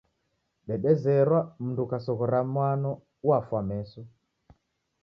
Dedezerwa mundu ukasoghora mwano uwafwa meso.